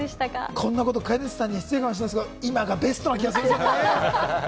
こんなこと飼い主さんに失礼かもしれませんが、今がベストな気がしますけどね。